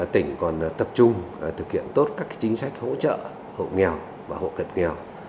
tỉnh còn tập trung thực hiện tốt các chính sách hỗ trợ hộ nghèo và hộ cận nghèo